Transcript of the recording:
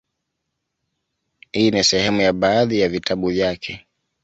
Hii ni sehemu ya baadhi ya vitabu vyake;